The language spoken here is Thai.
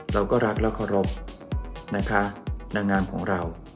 เราก็รักและเคารพนะคะนางงามของเรา